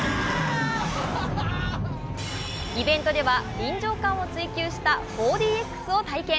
イベントでは臨場感を追求した４ＤＸを体験。